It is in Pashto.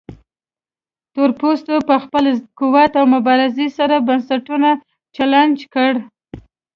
تورپوستو په خپل قوت او مبارزې سره بنسټونه چلنج کړل.